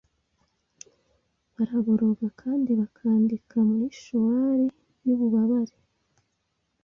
Baraboroga kandi bakandika muri showali yububabare